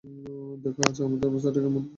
দেখ আজ আমার অবস্থাটা কেমন।